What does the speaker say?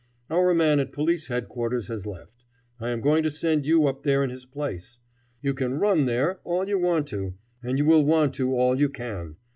Our man at Police Headquarters has left. I am going to send you up there in his place. You can run there all you want to, and you will want to all you can.